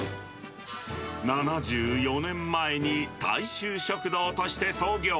７４年前に大衆食堂として創業。